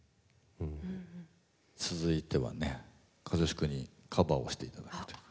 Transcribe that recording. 続いてはね和義君にカバーをしていただくと。